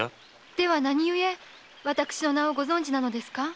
では何故私の名をご存じなのですか？